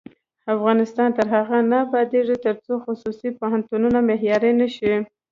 افغانستان تر هغو نه ابادیږي، ترڅو خصوصي پوهنتونونه معیاري نشي.